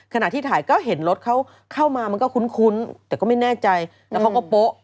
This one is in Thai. ขณะที่ถ่ายก็เห็นรถเขาเข้ามามันก็คุ้นแต่ก็ไม่แน่ใจแล้วเขาก็โป๊ะ